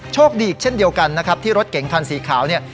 โชคดีเช่นเดียวกันนะครับที่รถเก๋งคันสีขาวเนี่ย